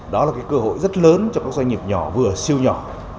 đó là cái cơ hội rất lớn cho các doanh nghiệp nhỏ vừa siêu nhỏ